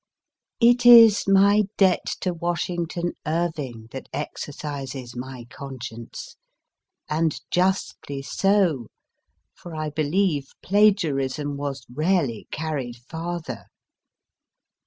It is my debt to \Yashington Irving that exercises my conscience, and justly so, for I believe plagiarism was rarely carried farther.